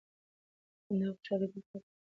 خندا او خوشحالي د زده کړې برخه ده.